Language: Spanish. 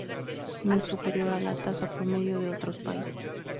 Muy superior a la tasa promedio de otros países.